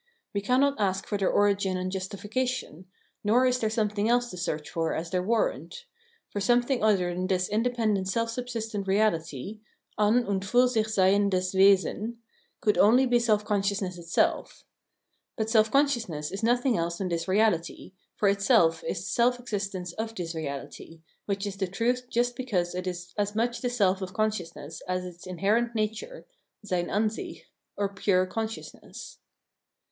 We cannot ask for their origin and justification, nor is there something else to search for as their warrant ; for something other than this independent self subsistent reality (an und fiir sich seyendes Wesen) could only be self consciousness itself. But self consciousness is nothing else than this reality, for itself is the self exist ence of this reality, which is the truth just because it is as much the self of consciousness as its inherent nature (sein Ansicli), or pure consciousness.